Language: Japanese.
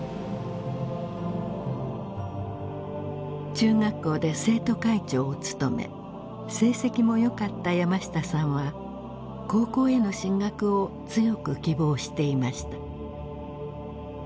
中学校で生徒会長を務め成績もよかった山下さんは高校への進学を強く希望していました。